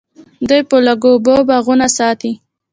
دوی په لږو اوبو باغونه ساتي.